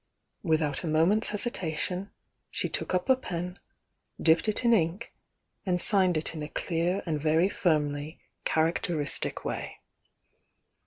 Without a moment's hesitation, she took up a pen, dipped it in ink, and signed it in a clear and very firmly characteristic way.